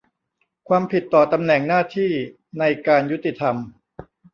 ความผิดต่อตำแหน่งหน้าที่ในการยุติธรรม